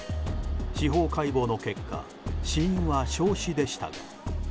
司法解剖の結果死因は焼死でした。